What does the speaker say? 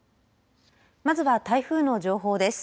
まずは台風の情報です。